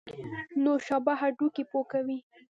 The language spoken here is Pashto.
نوشابه هډوکي پوکوي